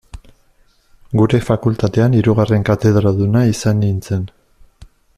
Gure fakultatean, hirugarren katedraduna izan nintzen.